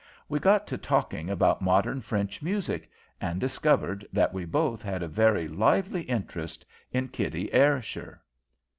We got to talking about modern French music, and discovered that we both had a very lively interest in Kitty Ayrshire.